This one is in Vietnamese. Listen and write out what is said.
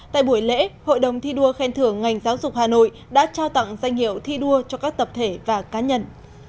tại buổi lễ hội đồng thi đua khen thưởng ngành giáo dục hà nội đã trao tặng danh hiệu thi đua cho các tập thể và cá nhân